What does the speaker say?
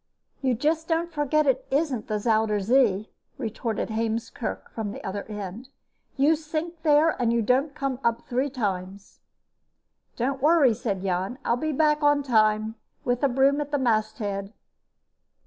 "You just don't forget it isn't the Zuider Zee," retorted Heemskerk from the other end. "You sink there and you don't come up three times." "Don't worry," said Jan. "I'll be back on time, with a broom at the masthead."